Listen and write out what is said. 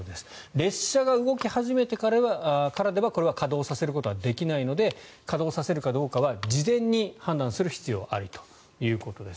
列車が動き始めてからではこれは稼働させることができないので稼働させるかどうかは事前に判断する必要があるということです。